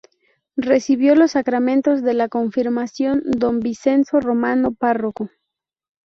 Recibió los sacramentos de la Confirmación Don Vincenzo Romano párroco.